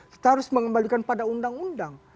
kita harus mengembalikan pada undang undang